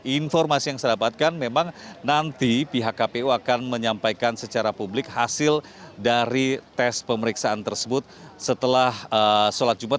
informasi yang saya dapatkan memang nanti pihak kpu akan menyampaikan secara publik hasil dari tes pemeriksaan tersebut setelah sholat jumat